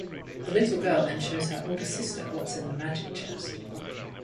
The little girl then shows her older sister what's in the magic chest.